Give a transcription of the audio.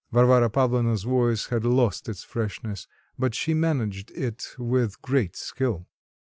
Varvara Pavlovna's voice had lost its freshness, but she managed it with great skill.